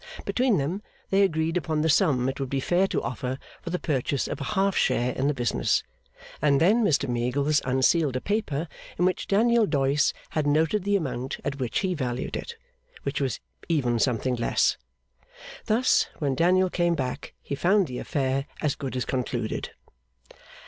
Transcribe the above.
Between them they agreed upon the sum it would be fair to offer for the purchase of a half share in the business, and then Mr Meagles unsealed a paper in which Daniel Doyce had noted the amount at which he valued it; which was even something less. Thus, when Daniel came back, he found the affair as good as concluded.